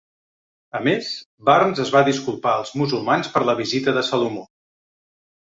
A més, Burns es va disculpar als musulmans per la visita de Salomó.